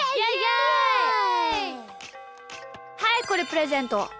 はいこれプレゼント。